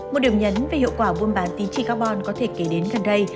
một điều nhấn về hiệu quả buôn bán tín chỉ carbon có thể kể đến gần đây